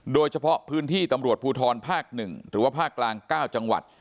โดยเฉพาะพื้นที่ตำรวจภูทรภาค๑หรือว่าภาคกลาง๙จังหวัด